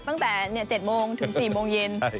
ตั้งแต่๗โมงถึง๔โมงเย็น